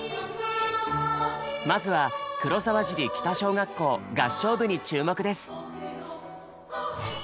まずは黒沢尻北小学校合唱部に注目です。